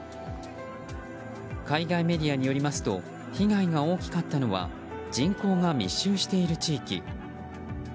海外メディアによりますと被害が大きかったのは人口が密集している地域。